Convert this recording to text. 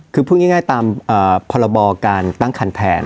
คือพูดง่ายตามพรบการตั้งคันแทน